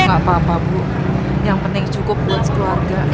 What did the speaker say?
nggak apa apa bu yang penting cukup buat sekeluarga